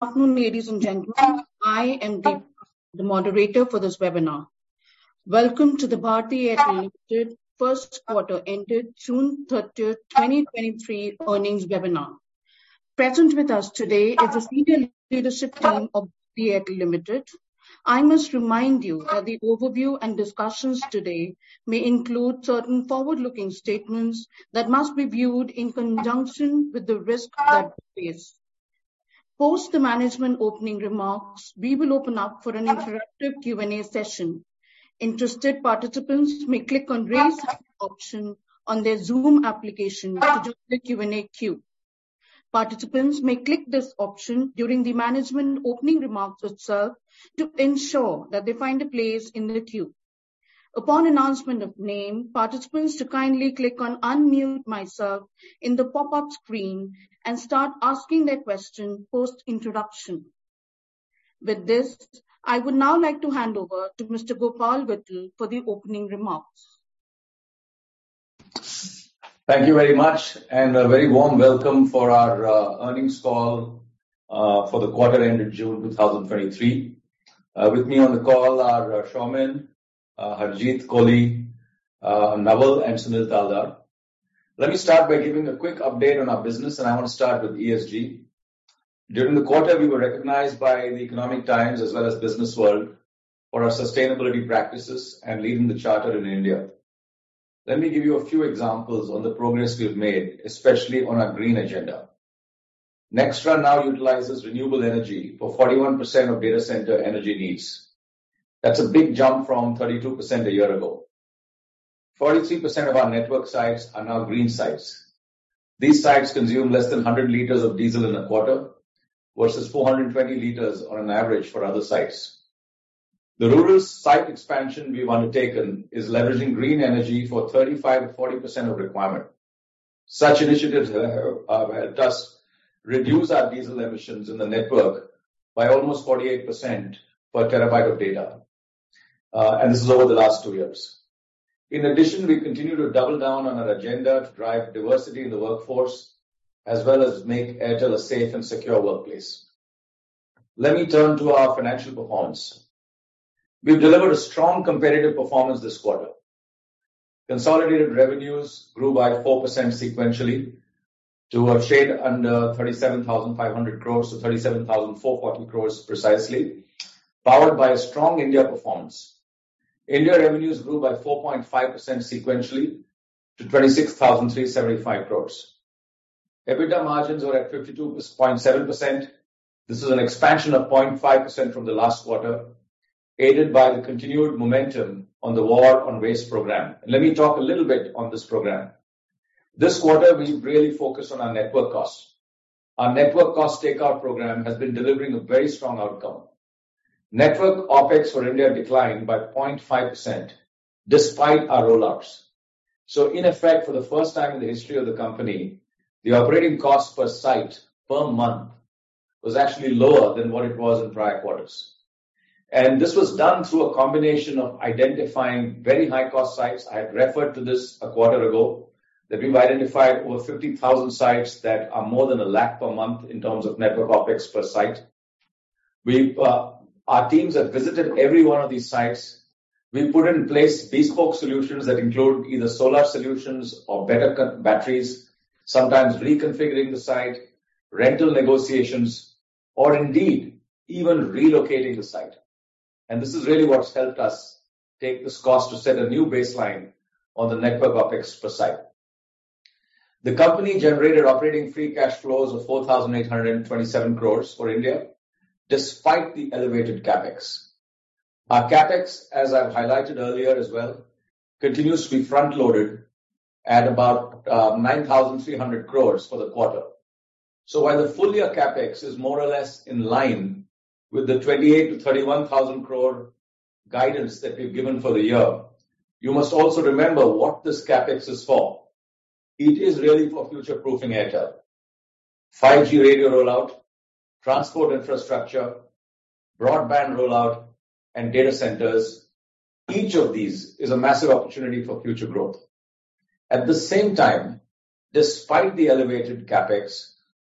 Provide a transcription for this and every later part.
Good afternoon, ladies and gentlemen. I am the moderator for this webinar. Welcome to the Bharti Airtel first quarter ended June thirtieth, twenty twenty-three earnings webinar. Present with us today is the senior leadership team of Bharti Airtel Limited. I must remind you that the overview and discussions today may include certain forward-looking statements that must be viewed in conjunction with the risks that we face. Post the management opening remarks, we will open up for an interactive Q&A session. Interested participants may click on Raise Hand option on their Zoom application to join the Q&A queue. Participants may click this option during the management opening remarks itself to ensure that they find a place in the queue. Upon announcement of name, participants to kindly click on Unmute Myself in the pop-up screen and start asking their question post-introduction. With this, I would now like to hand over to Mr. Gopal Vittal for the opening remarks. Thank you very much. A very warm welcome for our earnings call for the quarter ended June 2023. With me on the call are Soumen, Harjeet Kohli, Naval, and Sunil Taldar. Let me start by giving a quick update on our business, and I want to start with ESG. During the quarter, we were recognized by the Economic Times as well as BW Businessworld for our sustainability practices and leading the charter in India. Let me give you a few examples on the progress we've made, especially on our green agenda. Nxtra now utilizes renewable energy for 41% of data center energy needs. That's a big jump from 32% a year ago. 43% of our network sites are now green sites. These sites consume less than 100 liters of diesel in a quarter, versus 420 liters on an average for other sites. The rural site expansion we've undertaken is leveraging green energy for 35%-40% of requirement. Such initiatives have helped us reduce our diesel emissions in the network by almost 48% per terabyte of data, and this is over the last 2 years. In addition, we continue to double down on our agenda to drive diversity in the workforce, as well as make Airtel a safe and secure workplace. Let me turn to our financial performance. We've delivered a strong competitive performance this quarter. Consolidated revenues grew by 4% sequentially to a shade under 37,500 crore, so 37,440 crore, precisely, powered by a strong India performance. India revenues grew by 4.5% sequentially to 26,375 crore. EBITDA margins were at 52.7%. This is an expansion of 0.5% from the last quarter, aided by the continued momentum on the War on Waste program. Let me talk a little bit on this program. This quarter, we really focused on our network costs. Our network cost takeout program has been delivering a very strong outcome. Network OpEx for India declined by 0.5% despite our rollouts. In effect, for the first time in the history of the company, the operating cost per site per month was actually lower than what it was in prior quarters. This was done through a combination of identifying very high-cost sites. I had referred to this a quarter ago, that we've identified over 50,000 sites that are more than 100,000 per month in terms of network OpEx per site. Our teams have visited every one of these sites. We've put in place bespoke solutions that include either solar solutions or better cut batteries, sometimes reconfiguring the site, rental negotiations, or indeed, even relocating the site. This is really what's helped us take this cost to set a new baseline on the network OpEx per site. The company generated operating free cash flows of 4,827 crore for India, despite the elevated CapEx. Our CapEx, as I've highlighted earlier as well, continues to be front-loaded at about 9,300 crore for the quarter. While the full-year CapEx is more or less in line with the 28,000 crore-31,000 crore guidance that we've given for the year, you must also remember what this CapEx is for. It is really for future-proofing Airtel. 5G radio rollout, transport infrastructure, broadband rollout, and data centers, each of these is a massive opportunity for future growth. At the same time, despite the elevated CapEx,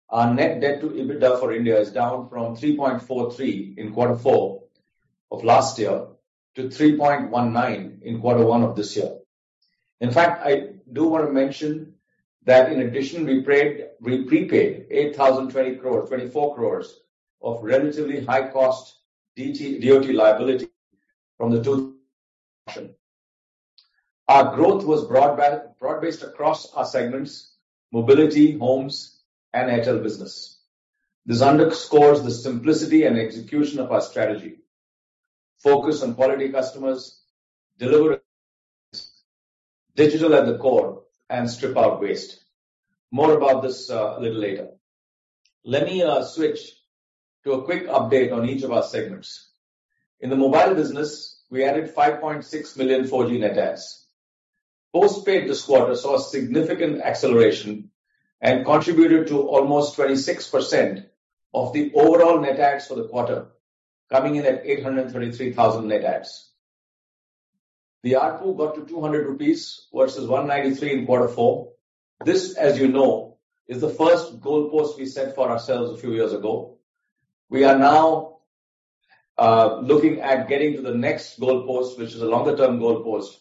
our net debt to EBITDA for India is down from 3.43 in quarter four of last year to 3.19 in quarter one of this year. In fact, I do want to mention that in addition, we prepaid 8,024 crore of relatively high-cost DoT liability. Our growth was broad-based across our segments: mobility, homes, and Airtel Business. This underscores the simplicity and execution of our strategy. Focus on quality customers, deliver digital at the core, and strip out waste. More about this a little later. Let me switch to a quick update on each of our segments. In the mobile business, we added 5.6 million 4G net adds. Postpaid this quarter saw a significant acceleration and contributed to almost 26% of the overall net adds for the quarter, coming in at 833,000 net adds. The ARPU got to 200 rupees versus 193 in quarter four. This, as you know, is the first goalpost we set for ourselves a few years ago. We are now looking at getting to the next goalpost, which is a longer-term goalpost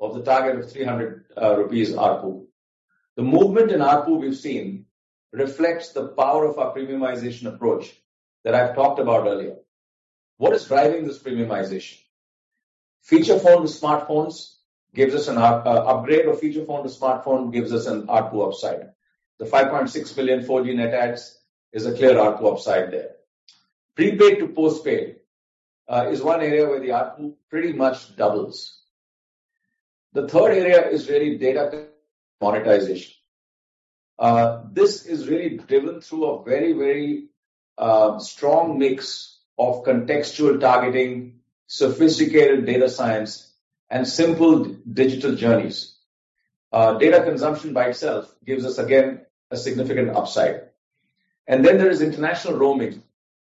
of the target of 300 rupees ARPU. The movement in ARPU we've seen reflects the power of our premiumization approach that I've talked about earlier. What is driving this premiumization? Feature phone to smartphones gives us an ar-- upgrade of feature phone to smartphone gives us an ARPU upside. The 5.6 billion 4G net adds is a clear ARPU upside there. Prepaid to postpaid is one area where the ARPU pretty much doubles. The third area is really data monetization. This is really driven through a very, very strong mix of contextual targeting, sophisticated data science, and simple digital journeys. Data consumption by itself gives us, again, a significant upside. Then there is international roaming,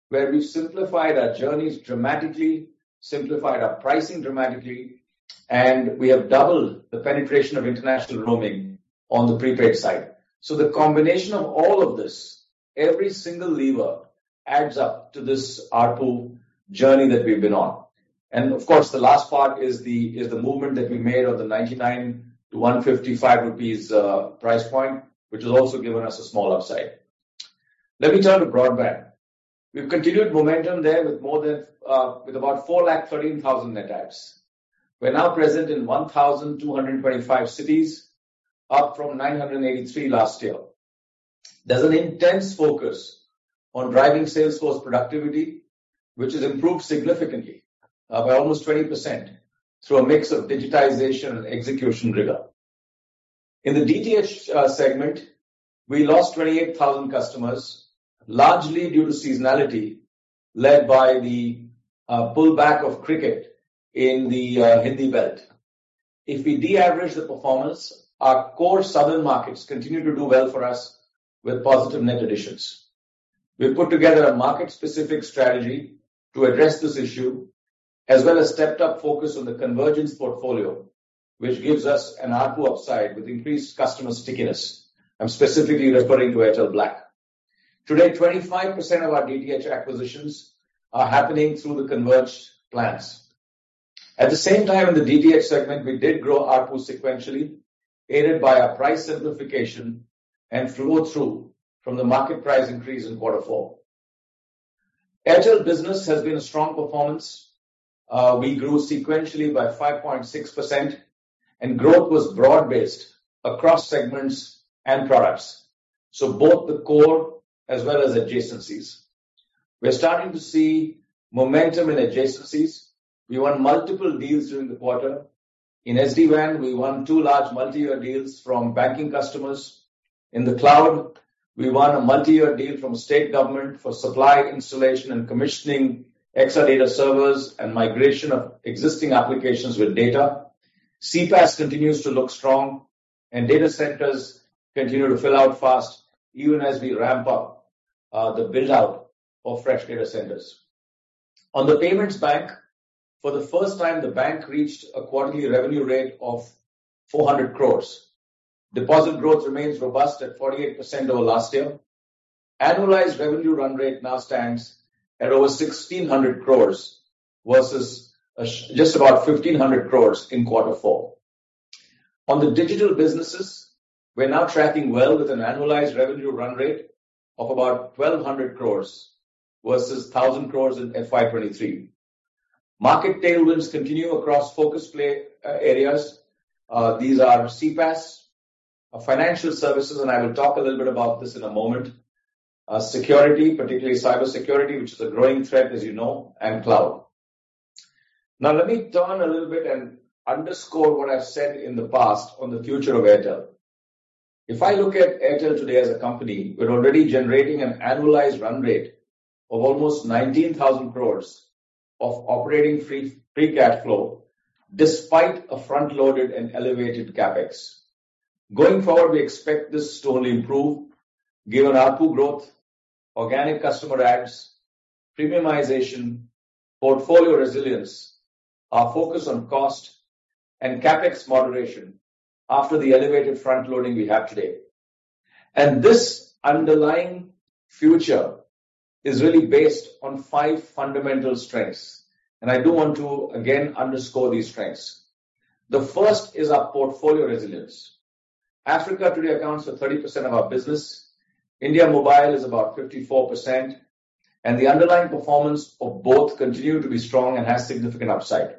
where we've simplified our journeys dramatically, simplified our pricing dramatically, and we have doubled the penetration of international roaming on the prepaid side. The combination of all of this, every single lever adds up to this ARPU journey that we've been on. Of course, the last part is the movement that we made on the 99-155 rupees price point, which has also given us a small upside. Let me turn to broadband. We've continued momentum there with more than with about 413,000 net adds. We're now present in 1,225 cities, up from 983 last year. There's an intense focus on driving sales force productivity, which has improved significantly, by almost 20%, through a mix of digitization and execution rigor. In the DTH segment, we lost 28,000 customers, largely due to seasonality, led by the pullback of cricket in the Hindi belt. If we de-average the performance, our core southern markets continue to do well for us with positive net additions. We've put together a market-specific strategy to address this issue, as well as stepped up focus on the convergence portfolio, which gives us an ARPU upside with increased customer stickiness. I'm specifically referring to Airtel Black. Today, 25% of our DTH acquisitions are happening through the converged plans. At the same time, in the DTH segment, we did grow ARPU sequentially, aided by our price simplification and flow-through from the market price increase in quarter four. Airtel Business has been a strong performance. We grew sequentially by 5.6%, and growth was broad-based across segments and products, so both the core as well as adjacencies. We're starting to see momentum in adjacencies. We won multiple deals during the quarter. In SD-WAN, we won 2 large multi-year deals from banking customers. In the cloud, we won a multi-year deal from a state government for supply, installation, and commissioning Exadata servers and migration of existing applications with data. CPaaS continues to look strong, and data centers continue to fill out fast, even as we ramp up the build-out of fresh data centers. On the payments bank, for the first time, the bank reached a quarterly revenue rate of 400 crore. Deposit growth remains robust at 48% over last year. Annualized revenue run rate now stands at over 1,600 crore, versus just about 1,500 crore in quarter four. On the digital businesses, we're now tracking well with an annualized revenue run rate of about 1,200 crore versus 1,000 crore at FY 2023. Market tailwinds continue across focus play areas. These are CPaaS, financial services, and I will talk a little bit about this in a moment, security, particularly cybersecurity, which is a growing threat, as you know, and cloud. Now, let me turn a little bit and underscore what I've said in the past on the future of Airtel. If I look at Airtel today as a company, we're already generating an annualized run rate of almost 19,000 crore of operating free, free cash flow, despite a front-loaded and elevated CapEx. Going forward, we expect this to only improve given ARPU growth, organic customer adds, premiumization, portfolio resilience, our focus on cost, and CapEx moderation after the elevated front-loading we have today. This underlying future is really based on five fundamental strengths, and I do want to again underscore these strengths. The first is our portfolio resilience. Africa today accounts for 30% of our business, India Mobile is about 54%, the underlying performance of both continue to be strong and has significant upside.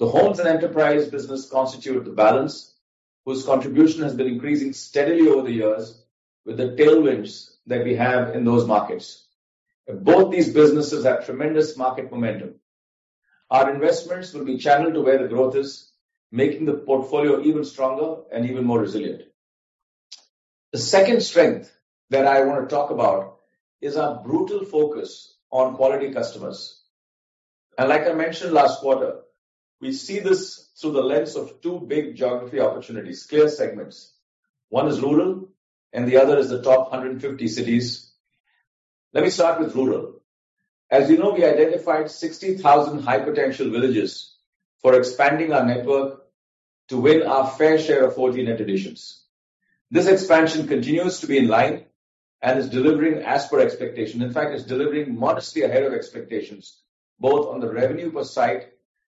The homes and enterprise business constitute the balance, whose contribution has been increasing steadily over the years, with the tailwinds that we have in those markets. Both these businesses have tremendous market momentum. Our investments will be channeled to where the growth is, making the portfolio even stronger and even more resilient. The second strength that I want to talk about is our brutal focus on quality customers. Like I mentioned last quarter, we see this through the lens of two big geography opportunities, clear segments. One is rural, and the other is the top 150 cities. Let me start with rural. As you know, we identified 60,000 high potential villages for expanding our network to win our fair share of 4G net additions. This expansion continues to be in line and is delivering as per expectation. In fact, it's delivering modestly ahead of expectations, both on the revenue per site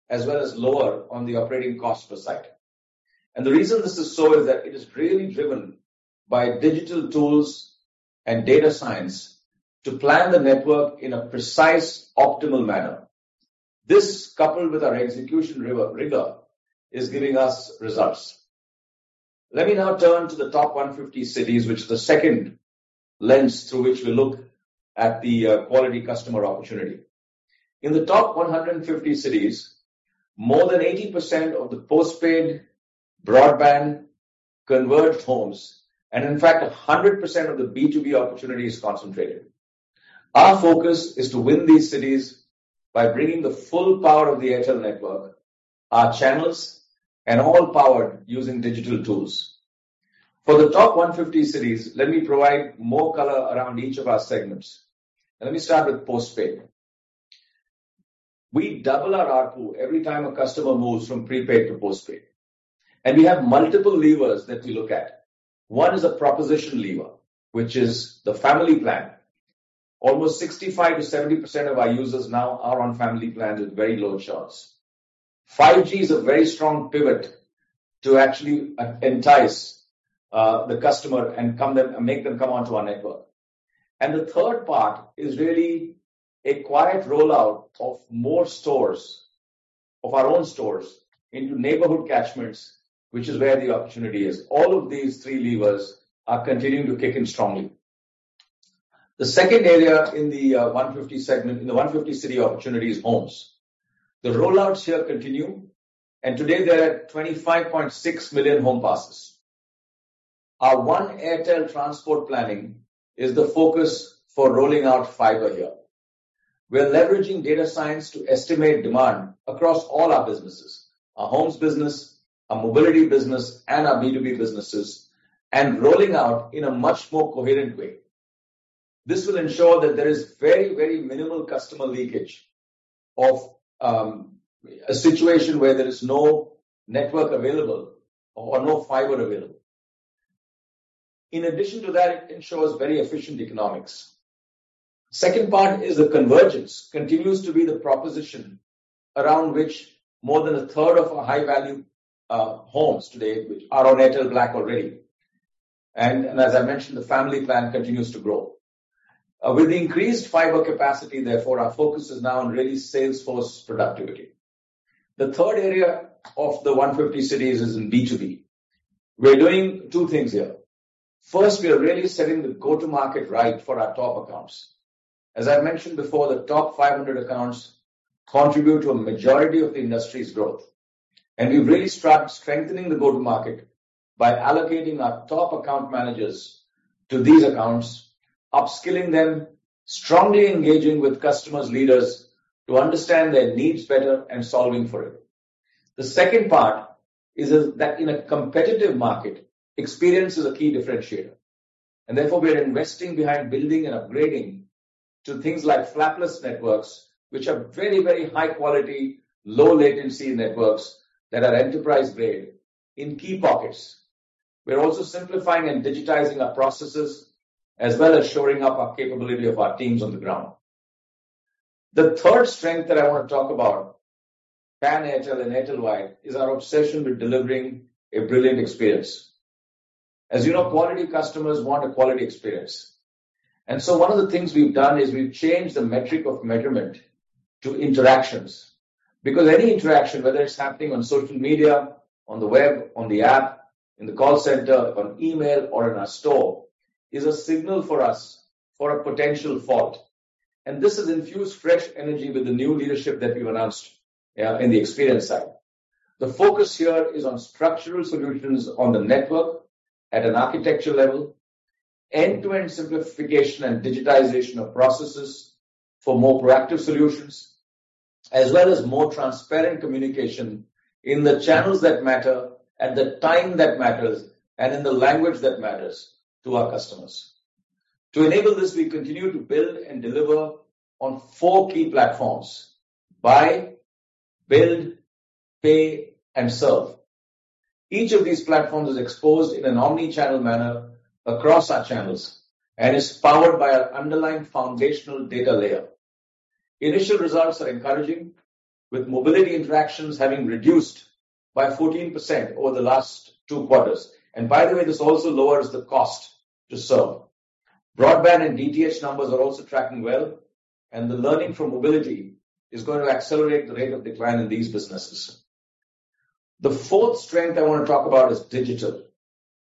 as well as lower on the operating cost per site. The reason this is so is that it is really driven by digital tools and data science to plan the network in a precise, optimal manner. This, coupled with our execution rigor, is giving us results. Let me now turn to the top 150 cities, which is the second lens through which we look at the quality customer opportunity. In the top 150 cities, more than 80% of the postpaid, broadband, converged homes, and in fact, 100% of the B2B opportunity is concentrated. Our focus is to win these cities by bringing the full power of the Airtel network, our channels, and all powered using digital tools. For the top 150 cities, let me provide more color around each of our segments. Let me start with postpaid. We double our ARPU every time a customer moves from prepaid to postpaid, we have multiple levers that we look at. One is a proposition lever, which is the family plan. Almost 65%-70% of our users now are on family plan with very low charts. 5G is a very strong pivot to actually entice the customer and make them come onto our network. The third part is really a quiet rollout of more stores, of our own stores, into neighborhood catchments, which is where the opportunity is. All of these three levers are continuing to kick in strongly. The second area in the 150 segment, in the 150 city opportunity, is homes. The rollouts here continue, and today there are 25.6 million home passes. Our One Airtel transport planning is the focus for rolling out fiber here. We are leveraging data science to estimate demand across all our businesses, our homes business, our mobility business, and our B2B businesses, and rolling out in a much more coherent way. This will ensure that there is very, very minimal customer leakage of a situation where there is no network available or, or no fiber available. In addition to that, it ensures very efficient economics. Second part is the convergence, continues to be the proposition around which more than a third of our high-value homes today, which are on Airtel Black already. As I mentioned, the family plan continues to grow. With increased fiber capacity, therefore, our focus is now on really sales force productivity. The third area of the 150 cities is in B2B. We're doing two things here. First, we are really setting the go-to-market right for our top accounts. As I mentioned before, the top 500 accounts contribute to a majority of the industry's growth, and we've really started strengthening the go-to-market by allocating our top account managers to these accounts, upskilling them, strongly engaging with customers leaders to understand their needs better and solving for it. The second part is that in a competitive market, experience is a key differentiator, and therefore we are investing behind building and upgrading to things like flapless networks, which are very, very high quality, low latency networks that are enterprise-grade in key pockets. We're also simplifying and digitizing our processes, as well as shoring up our capability of our teams on the ground. The third strength that I want to talk about, pan Airtel and Airtel wide, is our obsession with delivering a brilliant experience. As you know, quality customers want a quality experience, and so one of the things we've done is we've changed the metric of measurement to interactions. Any interaction, whether it's happening on social media, on the web, on the app, in the call center, on email, or in a store, is a signal for us for a potential fault. This has infused fresh energy with the new leadership that we've announced in the experience side. The focus here is on structural solutions on the network at an architecture level, end-to-end simplification and digitization of processes for more proactive solutions, as well as more transparent communication in the channels that matter, at the time that matters, and in the language that matters to our customers. To enable this, we continue to build and deliver on four key platforms: buy, build, pay, and serve. Each of these platforms is exposed in an omni-channel manner across our channels and is powered by our underlying foundational data layer. Initial results are encouraging, with mobility interactions having reduced by 14% over the last 2 quarters. By the way, this also lowers the cost to serve. Broadband and DTH numbers are also tracking well, and the learning from mobility is going to accelerate the rate of decline in these businesses. The fourth strength I want to talk about is digital,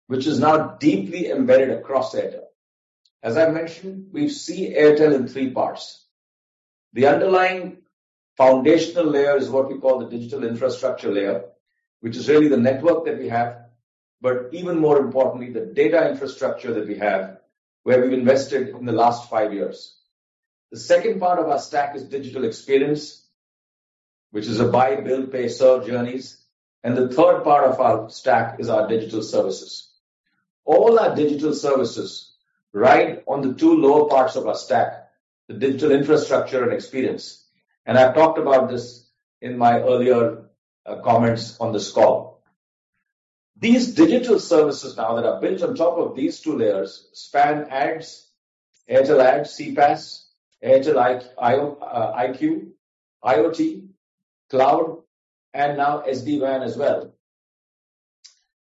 which is now deeply embedded across Airtel. As I mentioned, we see Airtel in 3 parts. The underlying foundational layer is what we call the digital infrastructure layer, which is really the network that we have, but even more importantly, the data infrastructure that we have, where we've invested in the last 5 years. The second part of our stack is digital experience, which is a buy, build, pay, serve journeys. The third part of our stack is our digital services. All our digital services ride on the two lower parts of our stack, the digital infrastructure and experience, and I've talked about this in my earlier comments on this call. These digital services now that are built on top of these two layers span ads, Airtel Ads, CPaaS, Airtel IQ, IoT, cloud, and now SD-WAN as well.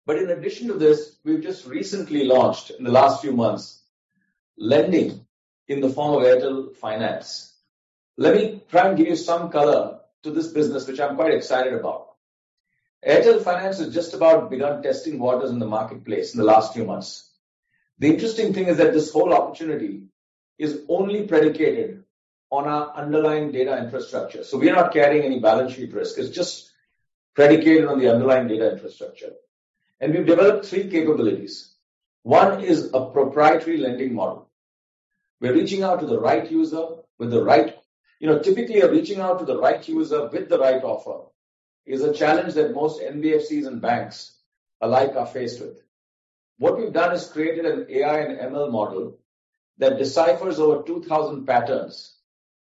In addition to this, we've just recently launched, in the last few months, lending in the form of Airtel Finance. Let me try and give you some color to this business, which I'm quite excited about. Airtel Finance has just about begun testing waters in the marketplace in the last few months. The interesting thing is that this whole opportunity is only predicated on our underlying data infrastructure, so we are not carrying any balance sheet risk. It's just predicated on the underlying data infrastructure, and we've developed three capabilities. One is a proprietary lending model. We're reaching out to the right user with the right... You know, typically, reaching out to the right user with the right offer is a challenge that most NBFCs and banks alike are faced with. What we've done is created an AI and ML model that deciphers over 2,000 patterns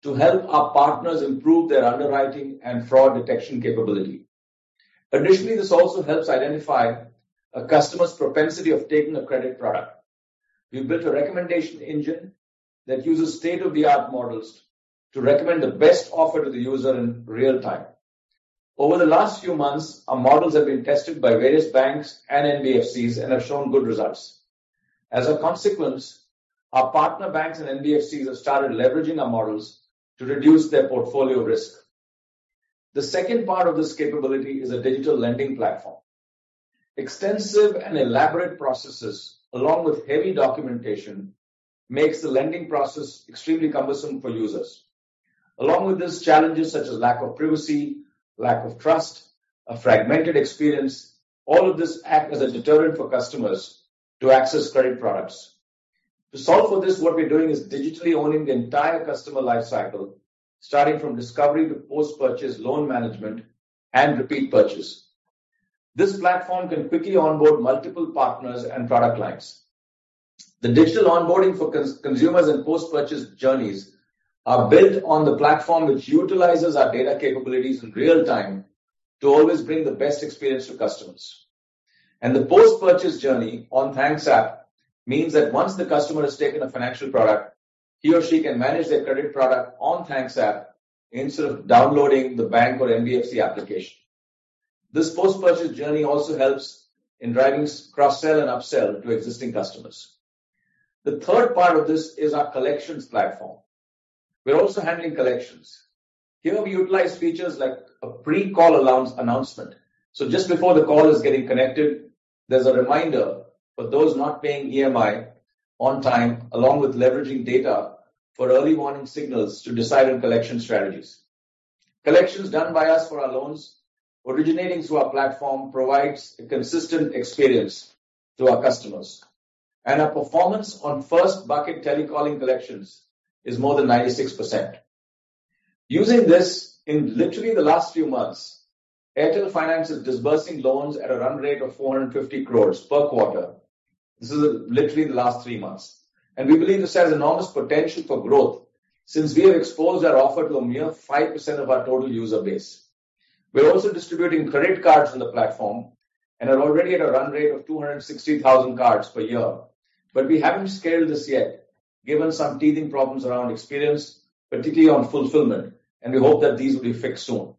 to help our partners improve their underwriting and fraud detection capability. Additionally, this also helps identify a customer's propensity of taking a credit product. We've built a recommendation engine that uses state-of-the-art models to recommend the best offer to the user in real time. Over the last few months, our models have been tested by various banks and NBFCs and have shown good results. As a consequence, our partner banks and NBFCs have started leveraging our models to reduce their portfolio risk. The second part of this capability is a digital lending platform. Extensive and elaborate processes, along with heavy documentation, makes the lending process extremely cumbersome for users. Along with this, challenges such as lack of privacy, lack of trust, a fragmented experience, all of this act as a deterrent for customers to access credit products. To solve for this, what we're doing is digitally owning the entire customer life cycle, starting from discovery to post-purchase loan management and repeat purchase. This platform can quickly onboard multiple partners and product lines. The digital onboarding for consumers and post-purchase journeys are built on the platform, which utilizes our data capabilities in real time to always bring the best experience to customers. The post-purchase journey on Airtel Thanks app means that once the customer has taken a financial product, he or she can manage their credit product on Airtel Thanks app instead of downloading the bank or NBFC application. This post-purchase journey also helps in driving cross-sell and upsell to existing customers. The third part of this is our collections platform. We're also handling collections. Here, we utilize features like a pre-call allowance announcement, so just before the call is getting connected, there's a reminder for those not paying EMI on time, along with leveraging data for early warning signals to decide on collection strategies. Collections done by us for our loans originating through our platform provides a consistent experience to our customers, and our performance on first bucket telecalling collections is more than 96%. Using this, in literally the last few months, Airtel Finance is disbursing loans at a run rate of 450 crore per quarter. This is literally the last three months, and we believe this has enormous potential for growth since we have exposed our offer to a mere 5% of our total user base. We're also distributing credit cards on the platform and are already at a run rate of 260,000 cards per year. We haven't scaled this yet, given some teething problems around experience, particularly on fulfillment, and we hope that these will be fixed soon.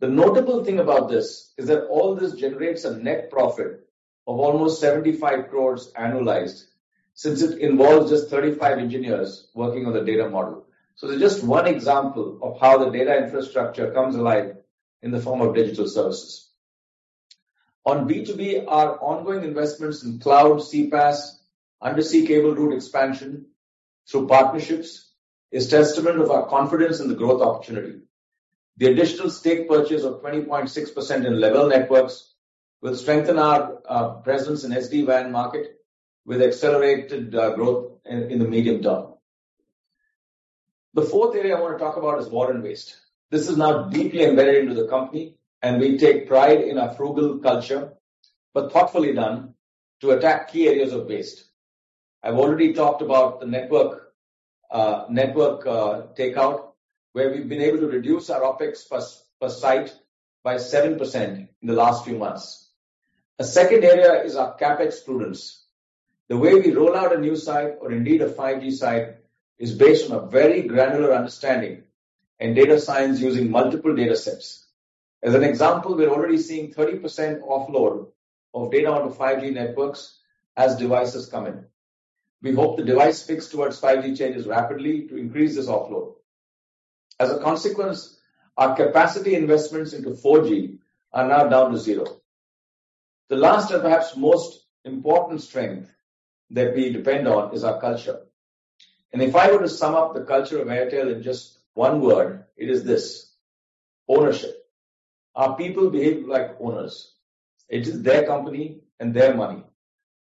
The notable thing about this is that all this generates a net profit of almost 75 crore annualized since it involves just 35 engineers working on the data model. This is just one example of how the data infrastructure comes alive in the form of digital services. On B2B, our ongoing investments in cloud, CPaaS, undersea cable route expansion through partnerships is testament of our confidence in the growth opportunity. The additional stake purchase of 20.6% in Lavelle Networks will strengthen our presence in SD-WAN market, with accelerated growth in the medium term. The fourth area I want to talk about is water and waste. This is now deeply embedded into the company, and we take pride in our frugal culture, but thoughtfully done to attack key areas of waste. I've already talked about the network, network takeout, where we've been able to reduce our OpEx per, per site by 7% in the last few months. A second area is our CapEx prudence. The way we roll out a new site, or indeed a 5G site, is based on a very granular understanding and data science using multiple data sets. As an example, we're already seeing 30% offload of data onto 5G networks as devices come in. We hope the device picks towards 5G changes rapidly to increase this offload. As a consequence, our capacity investments into 4G are now down to zero. The last, and perhaps most important strength that we depend on, is our culture. If I were to sum up the culture of Airtel in just one word, it is this: ownership.... Our people behave like owners. It is their company and their money.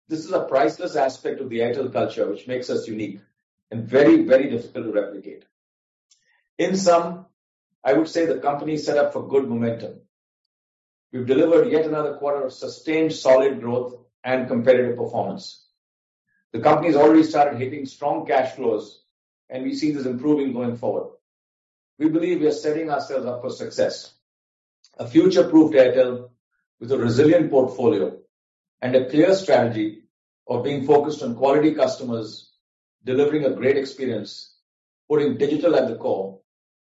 This is a priceless aspect of the Airtel culture, which makes us unique and very, very difficult to replicate. In sum, I would say the company is set up for good momentum. We've delivered yet another quarter of sustained solid growth and competitive performance. The company's already started hitting strong cash flows, and we see this improving going forward. We believe we are setting ourselves up for success. A future-proofed Airtel with a resilient portfolio and a clear strategy of being focused on quality customers, delivering a great experience, putting digital at the core,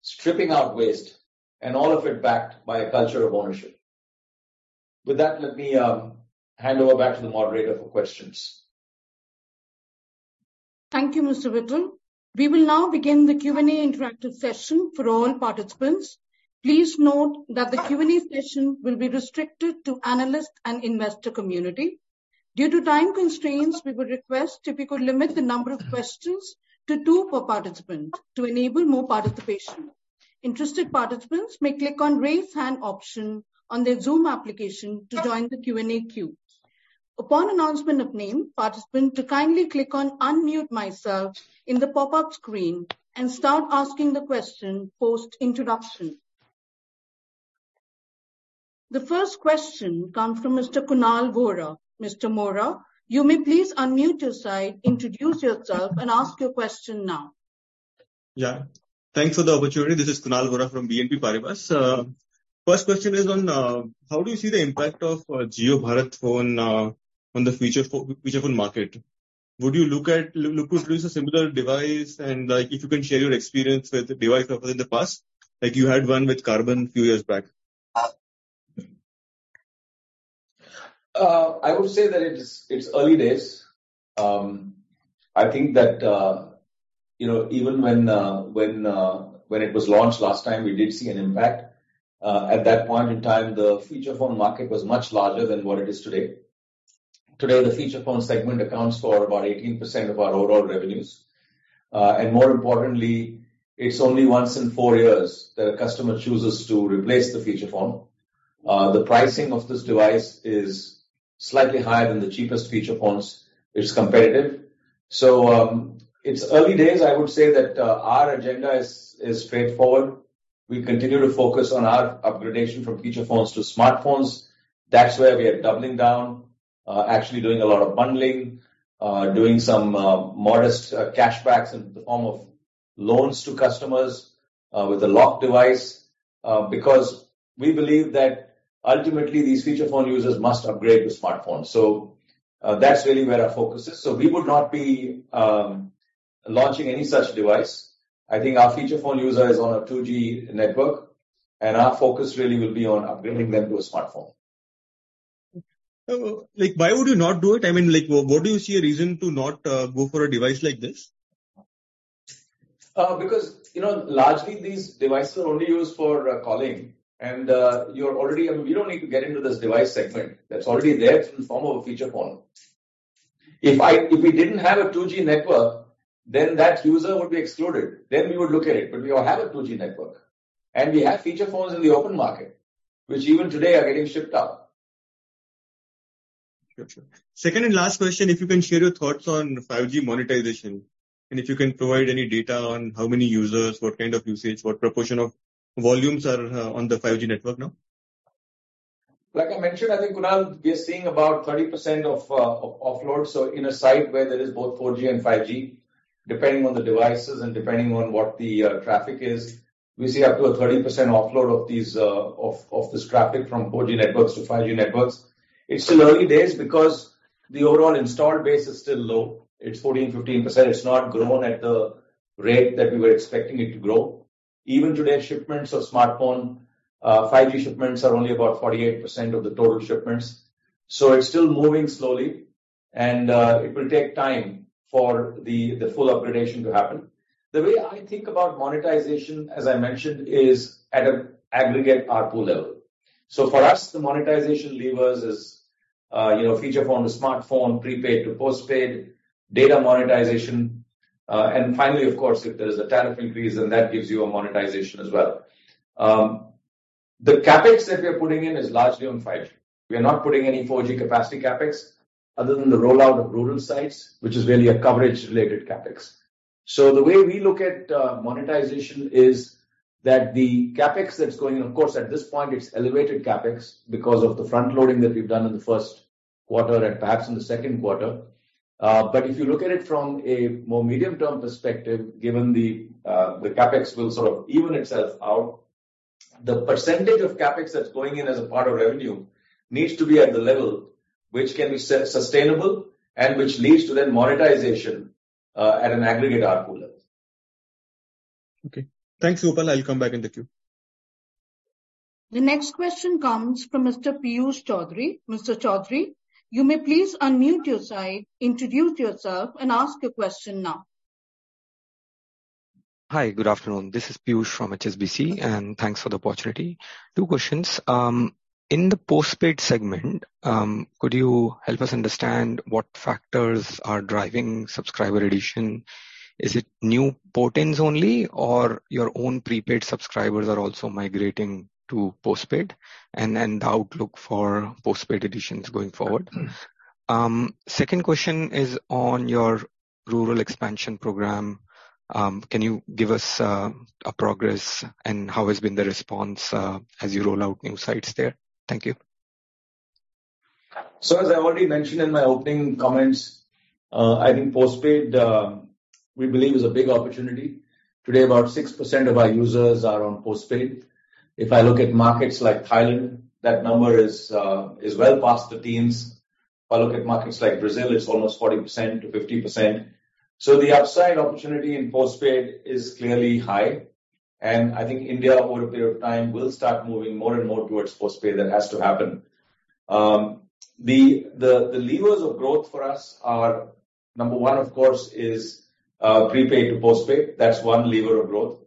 stripping out waste, and all of it backed by a culture of ownership. With that, let me hand over back to the moderator for questions. Thank you, Mr. Vittal. We will now begin the Q&A interactive session for all participants. Please note that the Q&A session will be restricted to analyst and investor community. Due to time constraints, we would request if you could limit the number of questions to 2 per participant to enable more participation. Interested participants may click on Raise Hand option on their Zoom application to join the Q&A queue. Upon announcement of name, participant to kindly click on Unmute Myself in the pop-up screen and start asking the question post-introduction. The first question comes from Mr. Kunal Vora. Mr. Vora, you may please unmute your side, introduce yourself, and ask your question now.. Thanks for the opportunity. This is Kunal Vora from BNP Paribas. First question is on how do you see the impact of JioBharat phone on the feature phone market? Would you look to produce a similar device? Like, if you can share your experience with device offers in the past, like you had one with Karbonn few years back. I would say that it's, it's early days. I think that, you know, even when it was launched last time, we did see an impact. At that point in time, the feature phone market was much larger than what it is today. Today, the feature phone segment accounts for about 18% of our overall revenues. More importantly, it's only once in four years that a customer chooses to replace the feature phone. The pricing of this device is slightly higher than the cheapest feature phones, which is competitive. It's early days. I would say that our agenda is, is straightforward. We continue to focus on our upgradation from feature phones to smartphones. That's where we are doubling down, actually doing a lot of bundling, doing some modest cash backs in the form of loans to customers, with a locked device. Because we believe that ultimately these feature phone users must upgrade to smartphone. That's really where our focus is. We would not be launching any such device. I think our feature phone user is on a 2G network, and our focus really will be on upgrading them to a smartphone. Like, why would you not do it? I mean, like, why do you see a reason to not go for a device like this? Because, you know, largely these devices are only used for calling, and you're already. We don't need to get into this device segment. That's already there in the form of a feature phone. If we didn't have a 2G network, then that user would be excluded, then we would look at it. We all have a 2G network, and we have feature phones in the open market, which even today are getting shipped out. Sure, sure. Second and last question, if you can share your thoughts on 5G monetization, and if you can provide any data on how many users, what kind of usage, what proportion of volumes are on the 5G network now? Like I mentioned, I think, Kunal, we are seeing about 30% of offload. In a site where there is both 4G and 5G, depending on the devices and depending on what the traffic is, we see up to a 30% offload of these of this traffic from 4G networks to 5G networks. It's still early days because the overall installed base is still low. It's 14%, 15%. It's not grown at the rate that we were expecting it to grow. Even today, shipments of smartphone, 5G shipments are only about 48% of the total shipments, so it's still moving slowly, and it will take time for the full upgradation to happen. The way I think about monetization, as I mentioned, is at an aggregate ARPU level. For us, the monetization levers is, you know, feature phone to smartphone, prepaid to postpaid, data monetization, and finally, of course, if there is a tariff increase, then that gives you a monetization as well. The CapEx that we are putting in is largely on 5G. We are not putting any 4G capacity CapEx, other than the rollout of rural sites, which is really a coverage-related CapEx. The way we look at monetization is that the CapEx that's going... Of course, at this point, it's elevated CapEx because of the front loading that we've done in the first quarter and perhaps in the second quarter. If you look at it from a more medium-term perspective, given the CapEx will sort of even itself out, the percentage of CapEx that's going in as a part of revenue needs to be at the level which can be sustainable and which leads to then monetization at an aggregate ARPU level. Okay. Thanks, Kunal. I'll come back in the queue. The next question comes from Mr. Piyush Choudhary. Mr. Choudhary, you may please unmute your side, introduce yourself, and ask your question now. Hi, good afternoon. This is Piyush from HSBC, and thanks for the opportunity. Two questions. In the postpaid segment, could you help us understand what factors are driving subscriber addition? Is it new port-ins only, or your own prepaid subscribers are also migrating to postpaid? The outlook for postpaid additions going forward. Second question is on your rural expansion program. Can you give us a progress and how has been the response as you roll out new sites there? Thank you. As I already mentioned in my opening comments, I think postpaid, we believe is a big opportunity. Today, about 6% of our users are on postpaid. If I look at markets like Thailand, that number is well past the teens. If I look at markets like Brazil, it's almost 40%-50%. The upside opportunity in postpaid is clearly high, and I think India, over a period of time, will start moving more and more towards postpaid. That has to happen. The, the, the levers of growth for us are: number 1, of course, is prepaid to postpaid. That's 1 lever of growth,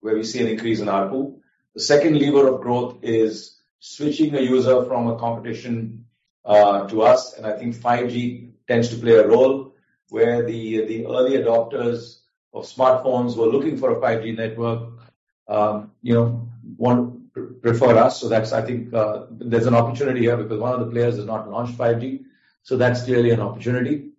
where we see an increase in ARPU. The second lever of growth is switching a user from a competition to us, and I think 5G tends to play a role, where the, the early adopters of smartphones who are looking for a 5G network, you know, prefer us. So that's. I think, there's an opportunity here because one of the players has not launched 5G, so that's clearly an opportunity.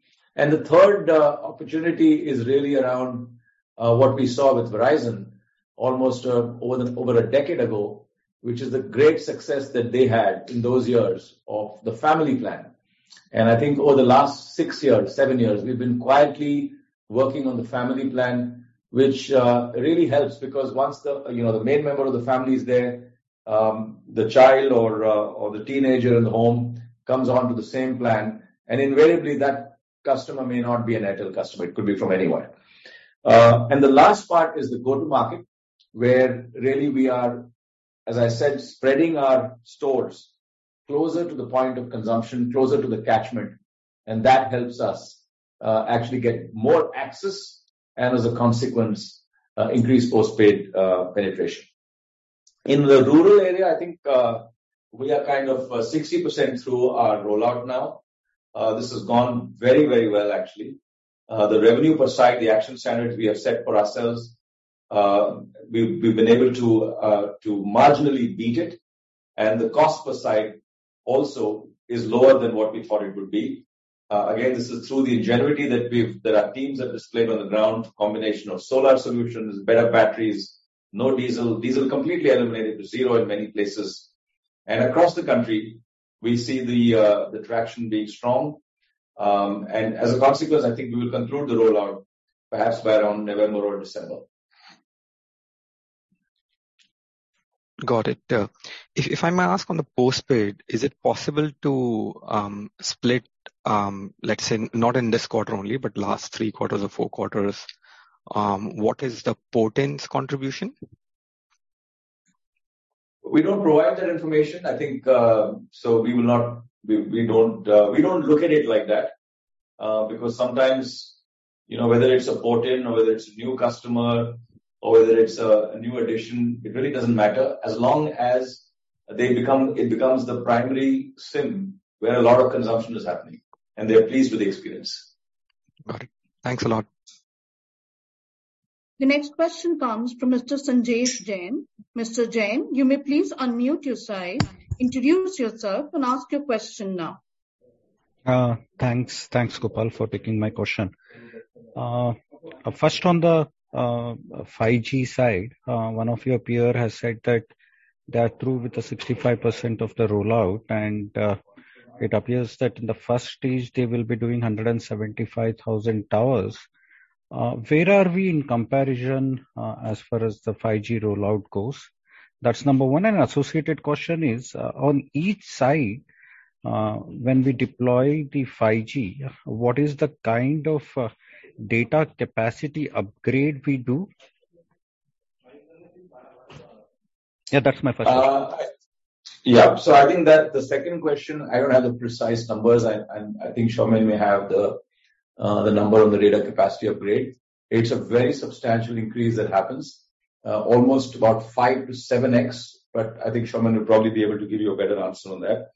The third opportunity is really around what we saw with Verizon almost over, over a decade ago, which is the great success that they had in those years of the family plan. I think over the last 6 years, 7 years, we've been quietly working on the family plan, which really helps, because once the, you know, the main member of the family is there, the child or or the teenager in the home comes onto the same plan, and invariably that customer may not be an Airtel customer. It could be from anywhere. The last part is the go-to-market, where really we are, as I said, spreading our stores closer to the point of consumption, closer to the catchment, and that helps us actually get more access and, as a consequence, increase postpaid penetration. In the rural area, I think, we are kind of 60% through our rollout now. This has gone very, very well, actually. The revenue per site, the action standard we have set for ourselves, we've, we've been able to marginally beat it, and the cost per site also is lower than what we thought it would be. Again, this is through the ingenuity that our teams have displayed on the ground. Combination of solar solutions, better batteries, no diesel. Diesel completely eliminated to zero in many places. Across the country, we see the traction being strong. As a consequence, I think we will conclude the rollout perhaps by around November or December. Got it. If, if I may ask on the postpaid, is it possible to split, let's say, not in this quarter only, but last 3 quarters or 4 quarters, what is the port-ins contribution? We don't provide that information. I think, we will not... We, we don't, we don't look at it like that, because sometimes, you know, whether it's a port-in or whether it's a new customer or whether it's a, a new addition, it really doesn't matter as long as they become-- it becomes the primary SIM where a lot of consumption is happening, and they are pleased with the experience. Got it. Thanks a lot. The next question comes from Mr. Sanjesh Jain. Mr. Jain, you may please unmute your side, introduce yourself, and ask your question now. Thanks. Thanks, Gopal, for taking my question. First, on the 5G side, one of your peer has said that they are through with the 65% of the rollout, it appears that in the first stage, they will be doing 175,000 towers. Where are we in comparison, as far as the 5G rollout goes? That's number one. Associated question is, on each side, when we deploy the 5G, what is the kind of data capacity upgrade we do?, that's my first-. I think that the second question, I don't have the precise numbers. I, I, I think Shamim may have the number on the data capacity upgrade. It's a very substantial increase that happens almost about 5-7x, but I think Shamim will probably be able to give you a better answer on that.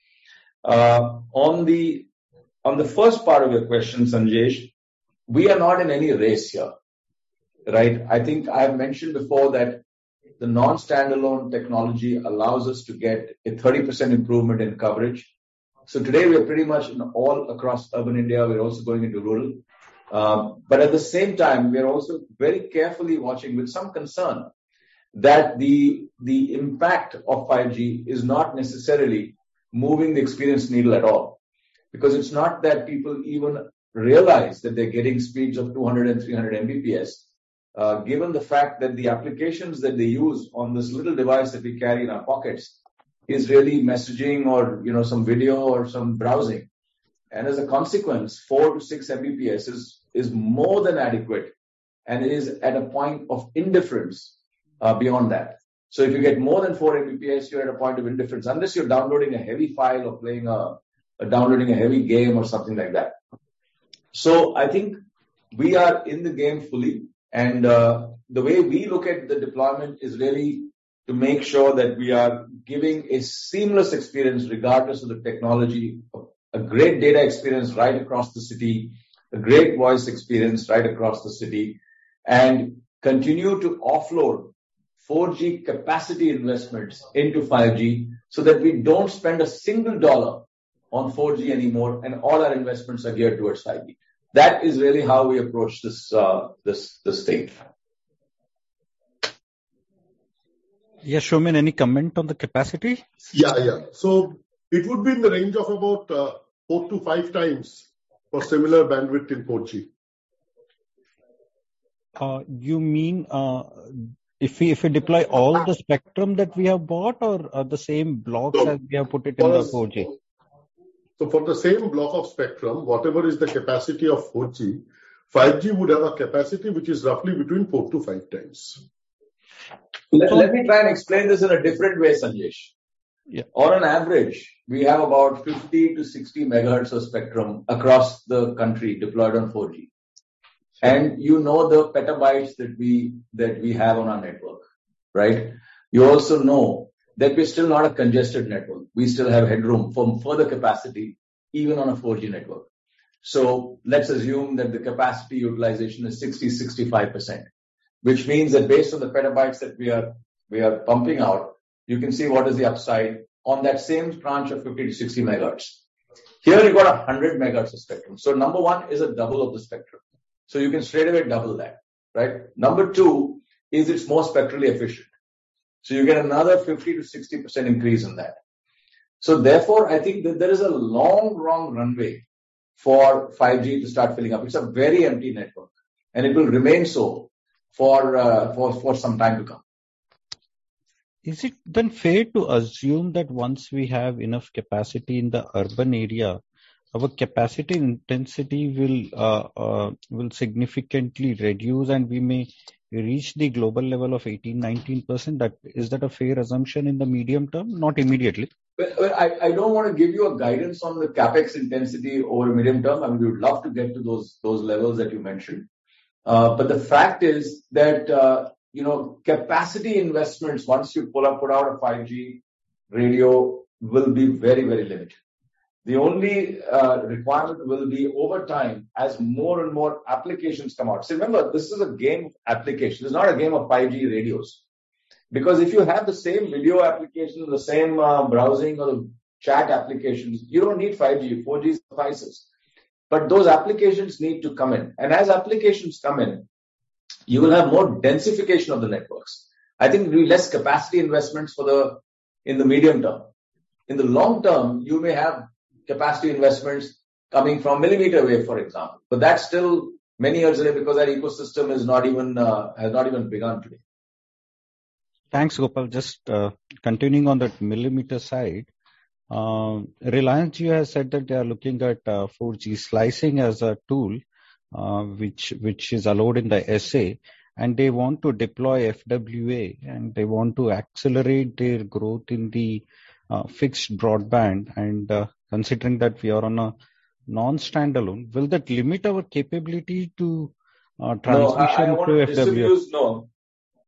On the, on the first part of your question, Sanjesh, we are not in any race here, right? I think I've mentioned before that the Non-Standalone technology allows us to get a 30% improvement in coverage. Today, we are pretty much in all across urban India. We're also going into rural. But at the same time, we are also very carefully watching, with some concern, that the, the impact of 5G is not necessarily moving the experience needle at all. It's not that people even realize that they're getting speeds of 200-300 Mbps, given the fact that the applications that they use on this little device that we carry in our pockets is really messaging or, you know, some video or some browsing. As a consequence, 4-6 Mbps is, is more than adequate and is at a point of indifference beyond that. If you get more than 4 Mbps, you're at a point of indifference, unless you're downloading a heavy file or playing, downloading a heavy game or something like that. I think we are in the game fully, the way we look at the deployment is really to make sure that we are giving a seamless experience regardless of the technology. A great data experience right across the city, a great voice experience right across the city, and continue to offload 4G capacity investments into 5G, so that we don't spend a single dollar on 4G anymore, and all our investments are geared towards 5G. That is really how we approach this, this stage., Soumen, any comment on the capacity?, yeah. It would be in the range of about 4-5 times for similar bandwidth in 4G. you mean, if we, if we deploy all the spectrum that we have bought or, the same blocks that we have put it in the 4G? For the same block of spectrum, whatever is the capacity of 4G, 5G would have a capacity which is roughly between 4-5 times. Let me try and explain this in a different way, Sanjesh. On an average, we have about 50-60 megahertz of spectrum across the country deployed on 4G. You know, the petabytes that we have on our network, right? You also know that we're still not a congested network. We still have headroom for further capacity, even on a 4G network. Let's assume that the capacity utilization is 60%-65%, which means that based on the petabytes that we are pumping out, you can see what is the upside on that same branch of 50-60 megahertz. Here you've got 100 megahertz of spectrum. Number 1 is a double of the spectrum, so you can straightaway double that, right? Number 2 is it's more spectrally efficient, so you get another 50%-60% increase in that. Therefore, I think that there is a long, long runway for 5G to start filling up. It's a very empty network, and it will remain so for, for, for some time to come. Is it fair to assume that once we have enough capacity in the urban area, our capacity intensity will will significantly reduce, and we may reach the global level of 18%, 19%? Is that a fair assumption in the medium term, not immediately? Well, I, I don't want to give you a guidance on the CapEx intensity over medium term. I mean, we would love to get to those, those levels that you mentioned. The fact is that, you know, capacity investments, once you pull up, put out a 5G radio, will be very, very limited. The only requirement will be over time as more and more applications come out. Remember, this is a game of applications. It's not a game of 5G radios. If you have the same video applications, the same browsing or chat applications, you don't need 5G, 4G suffices. Those applications need to come in, and as applications come in, you will have more densification of the networks. I think we less capacity investments in the medium term. In the long term, you may have capacity investments coming from millimeter wave, for example, but that's still many years away because that ecosystem is not even has not even begun today. Thanks, Gopal. Just continuing on that millimeter side, Reliance Jio has said that they are looking at 4G slicing as a tool, which, which is allowed in the SA, and they want to deploy FWA, and they want to accelerate their growth in the fixed broadband. Considering that we are on a Non-Standalone, will that limit our capability to transition to FWA? No, I want to disabuse... No.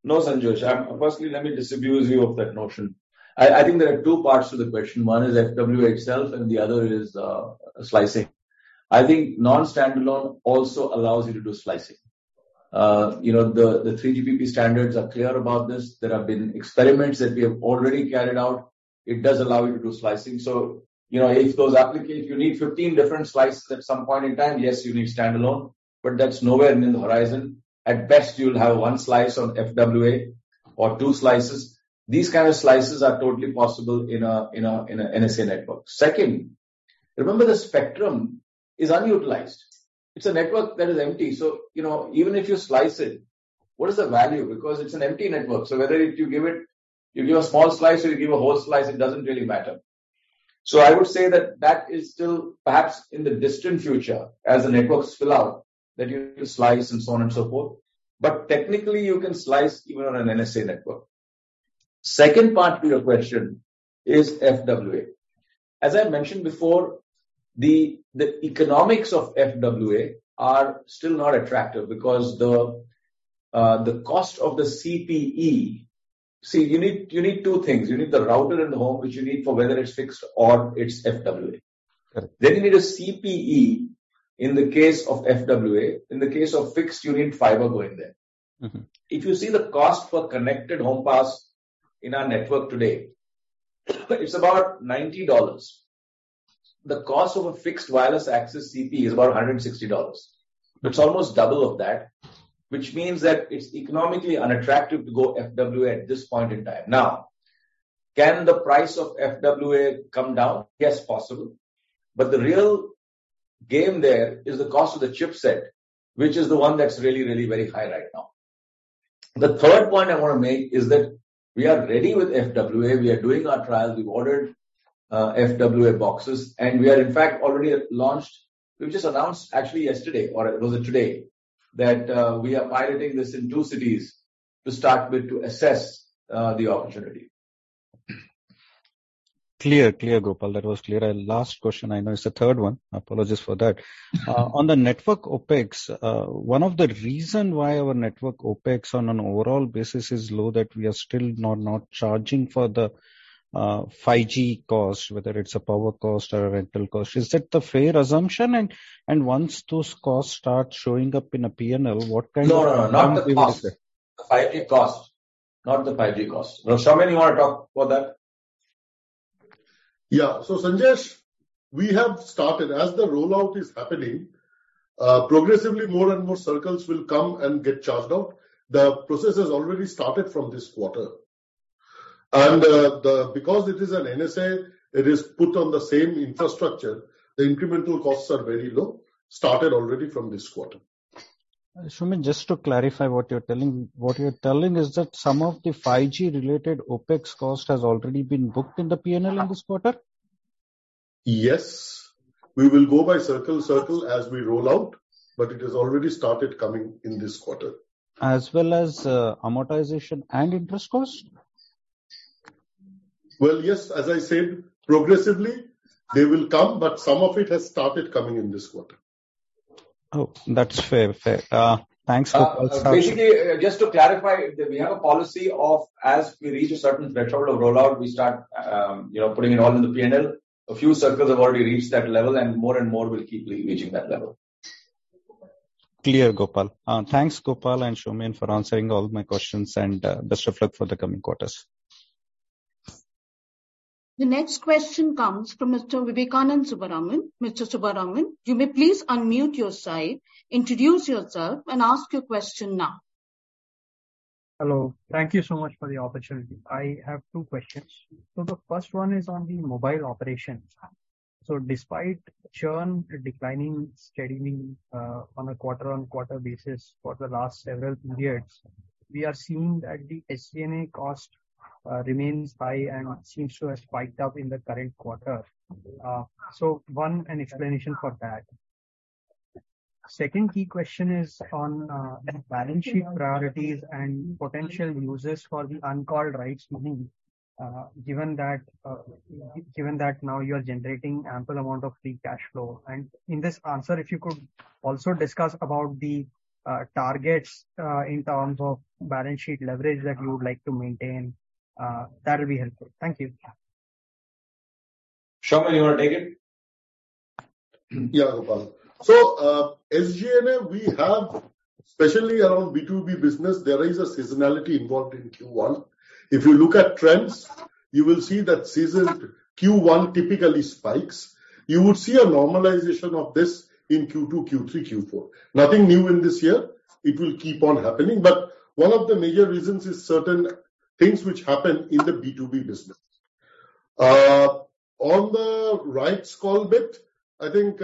No, Sanjesh, firstly, let me disabuse you of that notion. I think there are two parts to the question. One is FWA itself, and the other is slicing. I think Non-Standalone also allows you to do slicing. You know, the 3GPP standards are clear about this. There have been experiments that we have already carried out. It does allow you to do slicing. You know, if those applications, you need 15 different slices at some point in time, yes, you need standalone, but that's nowhere in the horizon. At best, you'll have 1 slice on FWA or 2 slices. These kind of slices are totally possible in a NSA network. Second, remember, the spectrum is unutilized. It's a network that is empty, you know, even if you slice it, what is the value? Because it's an empty network. Whether if you give it, you give a small slice or you give a whole slice, it doesn't really matter. I would say that that is still perhaps in the distant future, as the networks fill out, that you slice and so on and so forth, but technically, you can slice even on an NSA network. Second part to your question is FWA. As I mentioned before, the economics of FWA are still not attractive because the cost of the CPE. See, you need two things. You need the router in the home, which you need for whether it's fixed or it's FWA. Right. You need a CPE in the case of FWA. In the case of fixed, you need fiber going there. If you see the cost for connected home pass in our network today, it's about $90. The cost of a fixed wireless access CPE is about $160. It's almost double of that, which means that it's economically unattractive to go FWA at this point in time. Now, can the price of FWA come down? Yes, possible, but the real game there is the cost of the chipset, which is the one that's really, really very high right now. The third point I want to make is that we are ready with FWA. We are doing our trials. We've ordered FWA boxes, and we are, in fact, already launched. We've just announced actually yesterday, or was it today, that we are piloting this in two cities to start with to assess the opportunity. Clear, clear, Gopal, that was clear. Last question, I know it's the third one. Apologies for that. On the network OpEx, one of the reason why our network OpEx on an overall basis is low, that we are still not charging for the 5G cost, whether it's a power cost or a rental cost. Is that the fair assumption? Once those costs start showing up in a P&L, what kind of- No, no, no, not the cost, the 5G cost, not the 5G cost. Now, Soumen, you want to talk about that? . Sanjesh, we have started. As the rollout is happening, progressively, more and more circles will come and get charged out. The process has already started from this quarter. Because it is an NSA, it is put on the same infrastructure, the incremental costs are very low, started already from this quarter. Soumen, just to clarify what you're telling, what you're telling is that some of the 5G related OpEx cost has already been booked in the P&L in this quarter? Yes. We will go by circle, circle as we roll out, but it has already started coming in this quarter. As well as, amortization and interest costs? Well, yes, as I said, progressively they will come, but some of it has started coming in this quarter. Oh, that's fair. Fair. Thanks, Gopal. Basically, just to clarify, we have a policy of as we reach a certain threshold of rollout, we start, you know, putting it all in the P&L. A few circles have already reached that level, and more and more will keep reaching that level. Clear, Gopal. Thanks, Gopal and Soumen, for answering all my questions, and best of luck for the coming quarters. The next question comes from Mr. Vivekanand Subbaraman. Mr. Subbaraman, you may please unmute your side, introduce yourself, and ask your question now. Hello. Thank you so much for the opportunity. I have two questions. The first one is on the mobile operations. Despite churn declining, steadying, on a quarter-on-quarter basis for the last several periods, we are seeing that the SG&A cost remains high and seems to have spiked up in the current quarter. One, an explanation for that. Second key question is on balance sheet priorities and potential uses for the uncalled rights money, given that, given that now you are generating ample amount of free cash flow. In this answer, if you could also discuss about the targets in terms of balance sheet leverage that you would like to maintain, that will be helpful. Thank you. Soumen, you want to take it? Gopal. SG&A, we have, especially around B2B business, there is a seasonality involved in Q1. If you look at trends, you will see that season Q1 typically spikes. You would see a normalization of this in Q2, Q3, Q4. Nothing new in this year. It will keep on happening, one of the major reasons is certain things which happen in the B2B business. On the rights call bit, I think,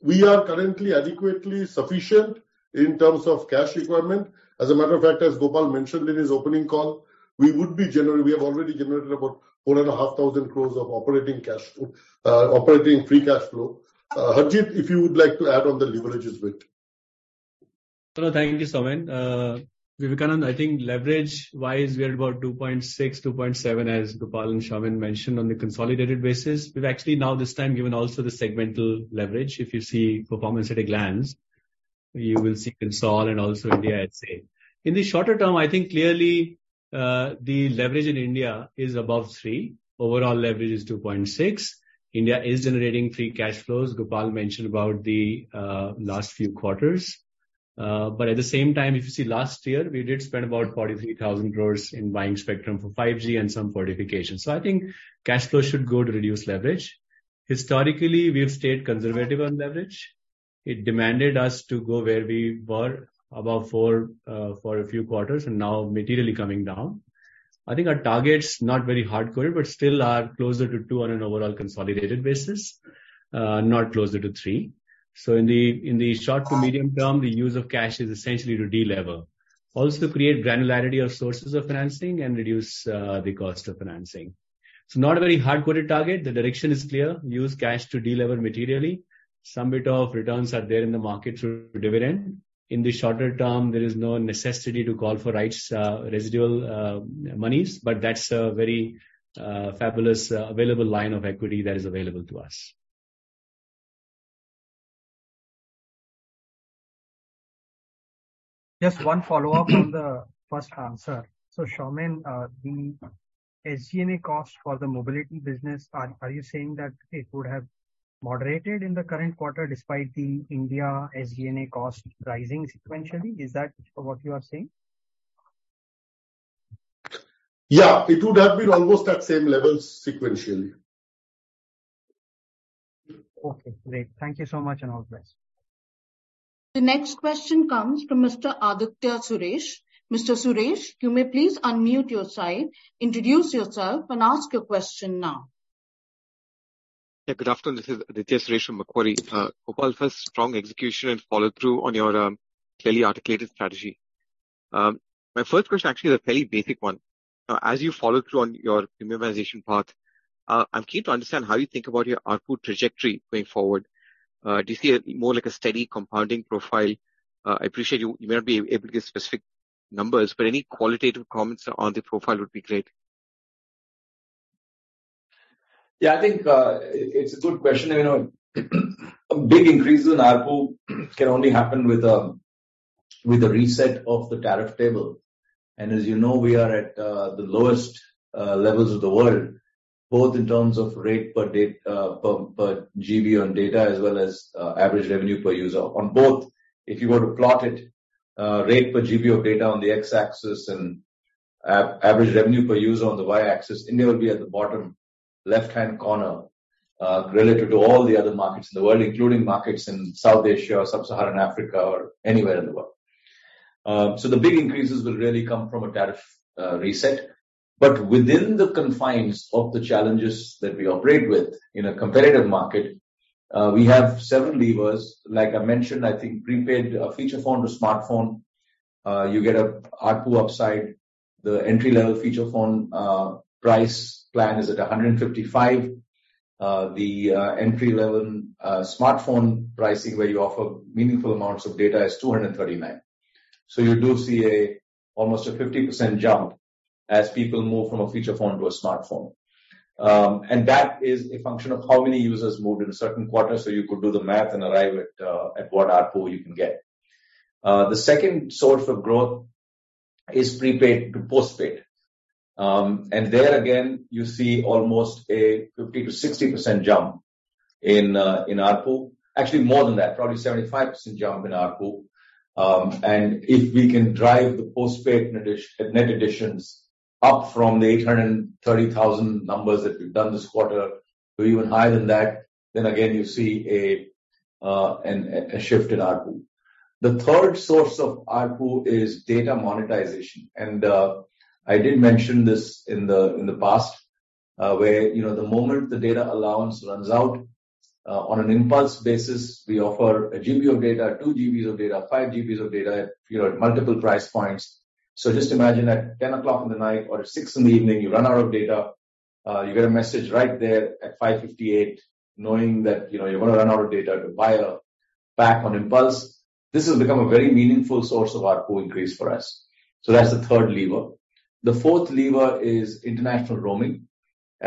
we are currently adequately sufficient in terms of cash requirement. As a matter of fact, as Gopal mentioned in his opening call, We have already generated about 4,500 crore of operating cash flow, operating free cash flow. Harjit, if you would like to add on the leverages bit. Hello, thank you, Soumen. Vivekananda, I think leverage-wise, we are about 2.6, 2.7, as Gopal and Soumen mentioned, on the consolidated basis. We've actually now this time given also the segmental leverage. If you see performance at a glance, you will see console and also India, I'd say. In the shorter term, I think clearly, the leverage in India is above 3. Overall leverage is 2.6. India is generating free cash flows. Gopal mentioned about the last few quarters. At the same time, if you see last year, we did spend about 43,000 crore in buying spectrum for 5G and some fortification. I think cash flow should go to reduce leverage. Historically, we've stayed conservative on leverage. It demanded us to go where we were above 4 for a few quarters, and now materially coming down. I think our target's not very hardcore, but still are closer to 2 on an overall consolidated basis, not closer to 3. In the, in the short to medium term, the use of cash is essentially to delever. Also, create granularity of sources of financing and reduce the cost of financing. Not a very hard-coded target. The direction is clear: use cash to delever materially. Some bit of returns are there in the market through dividend. In the shorter term, there is no necessity to call for rights, residual monies, but that's a very fabulous available line of equity that is available to us. Just one follow-up on the first answer. Soumen, the SG&A cost for the mobility business, are, are you saying that it would have moderated in the current quarter despite the India SG&A cost rising sequentially? Is that what you are saying?, it would have been almost at the same level sequentially. Okay, great. Thank you so much, and all the best. The next question comes from Mr. Aditya Suresh. Mr. Suresh, you may please unmute your side, introduce yourself, and ask your question now. Good afternoon. This is Aditya Suresh from Macquarie. Gopal, first, strong execution and follow-through on your clearly articulated strategy. My first question actually is a fairly basic one. As you follow through on your premiumization path, I'm keen to understand how you think about your ARPU trajectory going forward. Do you see a, more like a steady compounding profile? I appreciate you, you may not be able to give specific numbers, but any qualitative comments on the profile would be great., I think, it, it's a good question, and, you know, a big increase in ARPU can only happen with a, with a reset of the tariff table. As you know, we are at the lowest levels of the world, both in terms of rate per GB on data, as well as average revenue per user. On both, if you were to plot it, rate per GB of data on the X-axis and average revenue per user on the Y-axis, India will be at the bottom left-hand corner relative to all the other markets in the world, including markets in South Asia or sub-Saharan Africa or anywhere in the world. The big increases will really come from a tariff reset. Within the confines of the challenges that we operate with in a competitive market, we have several levers. Like I mentioned, I think prepaid, feature phone to smartphone, you get a ARPU upside. The entry-level feature phone, price plan is at 155. The entry-level smartphone pricing, where you offer meaningful amounts of data, is 239. You do see almost a 50% jump as people move from a feature phone to a smartphone. And that is a function of how many users moved in a certain quarter, so you could do the math and arrive at what ARPU you can get. The second source of growth is prepaid to postpaid. And there again, you see almost a 50%-60% jump in ARPU. Actually, more than that, probably 75% jump in ARPU. If we can drive the postpaid net additions up from the 830,000 numbers that we've done this quarter to even higher than that, then again, you see a shift in ARPU. The third source of ARPU is data monetization, and I did mention this in the, in the past, where, you know, the moment the data allowance runs out, on an impulse basis, we offer a GB of data, 2 GBs of data, 5 GBs of data at, you know, multiple price points. Just imagine at 10:00 P.M. or at 6:00 P.M., you run out of data, you get a message right there at 5:58 P.M., knowing that, you know, you're gonna run out of data, to buy a pack on impulse. This has become a very meaningful source of ARPU increase for us. That's the third lever. The fourth lever is international roaming.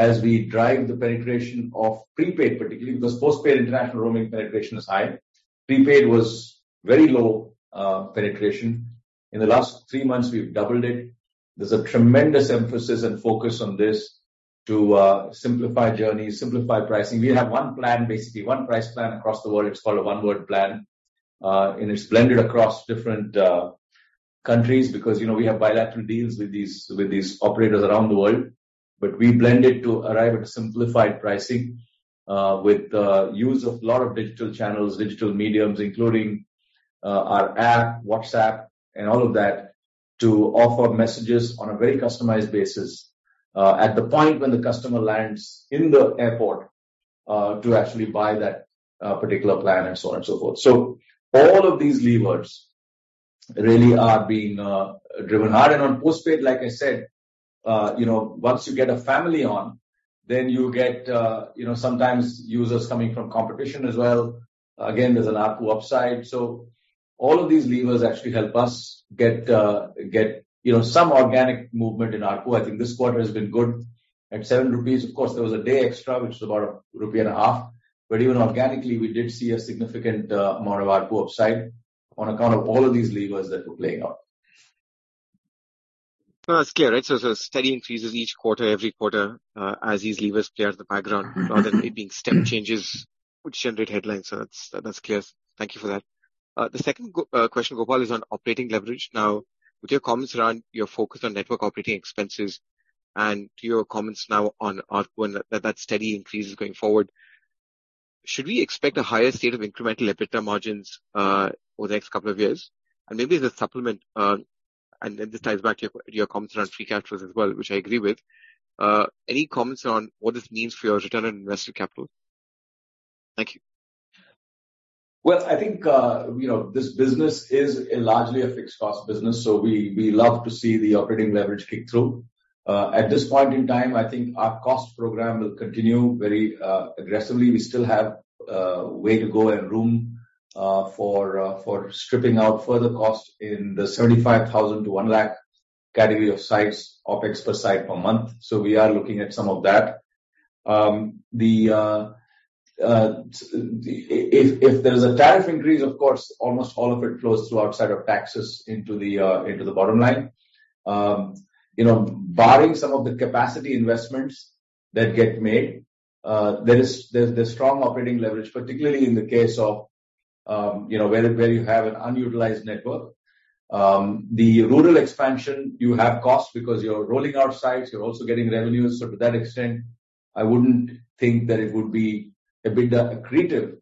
As we drive the penetration of prepaid, particularly, because postpaid international roaming penetration is high. Prepaid was very low penetration. In the last 3 months, we've doubled it. There's a tremendous emphasis and focus on this to simplify journeys, simplify pricing. We have one plan, basically one price plan across the world. It's called a One World plan, and it's blended across different countries because, you know, we have bilateral deals with these, with these operators around the world. We blend it to arrive at a simplified pricing, with the use of a lot of digital channels, digital mediums, including our app, WhatsApp, and all of that, to offer messages on a very customized basis, at the point when the customer lands in the airport, to actually buy that particular plan, and so on and so forth. All of these levers really are being driven hard. On postpaid, like I said, you know, once you get a family on, then you get, you know, sometimes users coming from competition as well. Again, there's an ARPU upside. All of these levers actually help us get, get, you know, some organic movement in ARPU. I think this quarter has been good. At 7 rupees, of course, there was a day extra, which is about INR 1.5, but even organically, we did see a significant amount of ARPU upside on account of all of these levers that were playing out. No, it's clear, right? So steady increases each quarter, every quarter, as these levers play out in the background rather than it being step changes which generate headlines. That's, that's clear. Thank you for that. The second question, Gopal, is on operating leverage. Now, with your comments around your focus on network operating expenses and your comments now on ARPU, and that, that steady increase is going forward, should we expect a higher state of incremental EBITDA margins over the next couple of years? Maybe as a supplement, and then this ties back to your, your comments around free cash flows as well, which I agree with, any comments on what this means for your return on invested capital? Thank you. Well, I think, you know, this business is a largely a fixed cost business, so we, we love to see the operating leverage kick through. At this point in time, I think our cost program will continue very aggressively. We still have way to go and room for stripping out further costs in the 75,000-1 lakh category of sites, OpEx per site per month, so we are looking at some of that. If there is a tariff increase, of course, almost all of it flows through outside of taxes into the bottom line. You know, barring some of the capacity investments that get made, there's the strong operating leverage, particularly in the case of, you know, where, where you have an unutilized network. The rural expansion, you have costs because you're rolling out sites, you're also getting revenues. To that extent, I wouldn't think that it would be EBITDA accretive.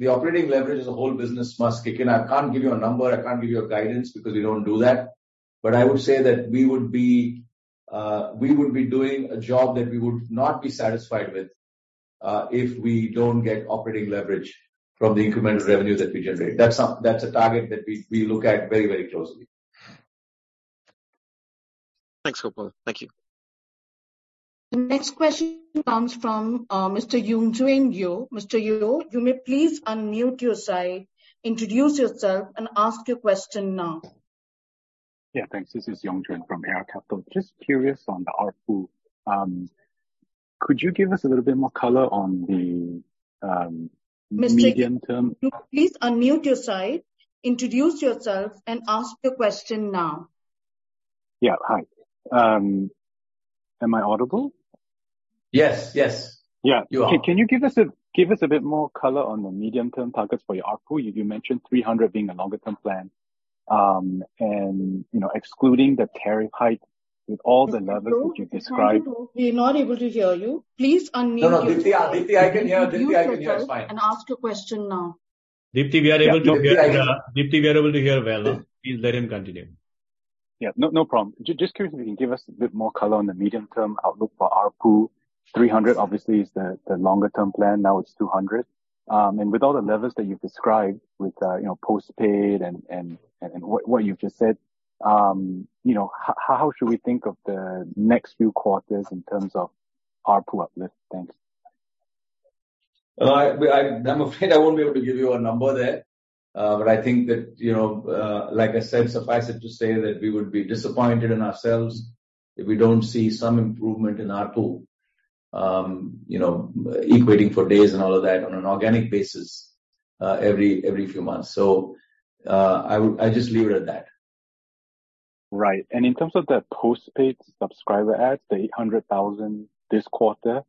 The operating leverage as a whole business must kick in. I can't give you a number, I can't give you a guidance because we don't do that. I would say that we would be doing a job that we would not be satisfied with if we don't get operating leverage from the incremental revenue that we generate. That's a target that we, we look at very, very closely. Thanks, Gopal. Thank you. The next question comes from Mr. Yung Juen Yeoh. Mr. Yung, you may please unmute your side, introduce yourself, and ask your question now., thanks. This is Yung Juen from AR Capital. Just curious on the ARPU. Could you give us a little bit more color on the medium-term- Mr. Yung, please unmute your side, introduce yourself, and ask your question now.. Hi. Am I audible? Yes. Yes. You are. Can you give us a bit more color on the medium-term targets for your ARPU? You mentioned 300 being a longer-term plan. You know, excluding the tariff hike, with all the levers that you've described, Mr. Yung, we're not able to hear you. Please unmute- No, no, Deepti, Deepti, I can hear. Deepti, I can hear, it's fine. Ask your question now. Deepti, we are able to hear. Deepti, we are able to hear well. Please let him continue.. No, no problem. Just curious if you can give us a bit more color on the medium-term outlook for ARPU. 300 obviously is the, the longer-term plan, now it's 200. With all the levers that you've described with, you know, postpaid and, and, and, and what, what you've just said, you know, how should we think of the next few quarters in terms of ARPU uplift? Thanks. Well, I'm afraid I won't be able to give you a number there. I think that, you know, like I said, suffice it to say that we would be disappointed in ourselves if we don't see some improvement in ARPU, you know, equating for days and all of that on an organic basis, every, every few months. I would... I'll just leave it at that. Right. In terms of the postpaid subscriber adds, the 800,000 this quarter,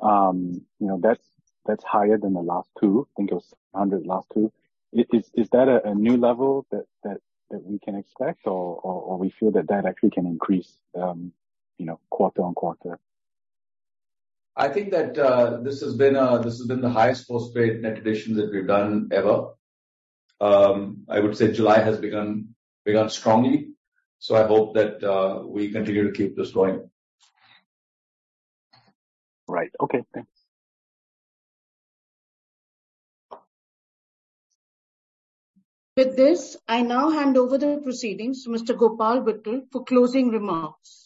you know, that's, that's higher than the last two. I think it was 700 last two. Is, is, is that a, a new level that, that, that we can expect, or, or, or we feel that that actually can increase, you know, quarter-on-quarter? I think that, this has been, this has been the highest postpaid net addition that we've done ever. I would say July has begun, begun strongly, so I hope that we continue to keep this going. Right. Okay, thanks. With this, I now hand over the proceedings to Mr. Gopal Vittal for closing remarks.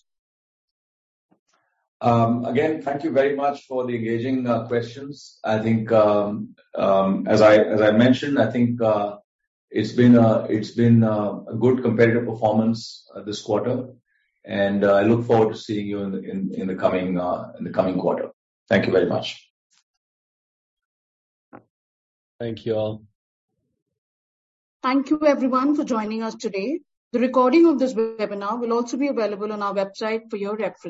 Again, thank you very much for the engaging questions. I think, as I, as I mentioned, I think, it's been a, it's been a good competitive performance this quarter, and I look forward to seeing you in, in, in the coming in the coming quarter. Thank you very much. Thank you, all. Thank you everyone for joining us today. The recording of this webinar will also be available on our website for your reference.